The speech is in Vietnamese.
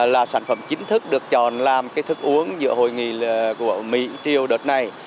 là sản phẩm chính thức được chọn làm cái thức uống giữa hội nghị của mỹ triều đợt này